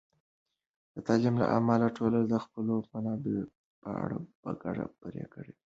د تعلیم له امله، ټولنه د خپلو منابعو په اړه په ګډه پرېکړه کوي.